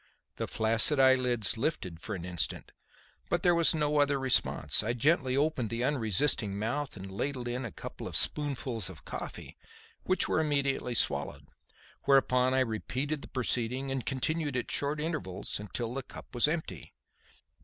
The flaccid eyelids lifted for an instant but there was no other response. I gently opened the unresisting mouth and ladled in a couple of spoonfuls of coffee, which were immediately swallowed; whereupon I repeated the proceeding and continued at short intervals until the cup was empty.